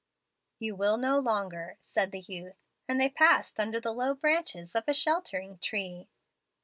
"'You will no longer,' said the youth, as they passed under the low branches of a sheltering tree.